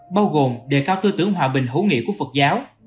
bao gồm đề cao tư tưởng hòa bình hữu nghị của phật giáo